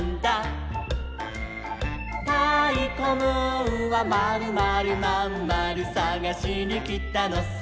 「たいこムーンはまるまるまんまるさがしにきたのさ」